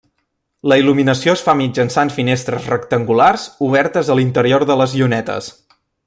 La il·luminació es fa mitjançant finestres rectangulars obertes a l'interior de les llunetes.